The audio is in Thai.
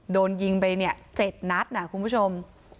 โดนยิงไปเนี่ย๗นัดนะคุณผู้ชม